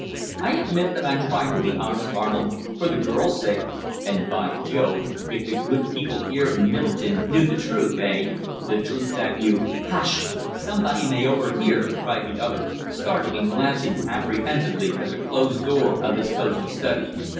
"I admit that I'm trying to be honest, Arnold for the girl's sake." "And, by Jove! if the good people here, in Middleton, knew the truth, eh the truth that you " "Hush! Somebody may overhear!" cried the other, starting and glancing apprehensively at the closed door of his cosy study.